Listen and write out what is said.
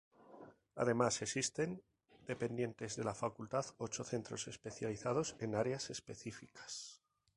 Además, existen, dependientes de la Facultad, ocho centros especializados en áreas específicas.